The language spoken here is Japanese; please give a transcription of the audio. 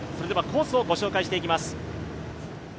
コースをご紹介していきます。